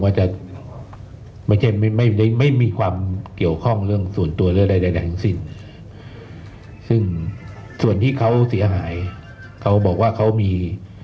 จะไม่ใช่ไม่ไม่ไม่มีความเกี่ยวข้องเรื่องส่วนตัวหรือใดใดทั้งสิ้นซึ่งส่วนที่เขาเสียหายเขาบอกว่าเขามี